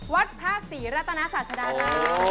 วัดภาษีรัตนาศาสตราแล้ว